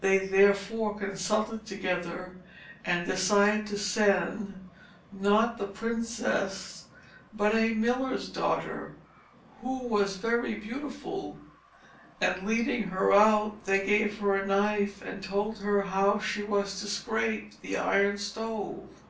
They therefore consulted together, and decided to send, not the princess, but a miller's daughter, who was very beautiful; and leading her out, they gave her a knife, and told her how she was to scrape the Iron Stove.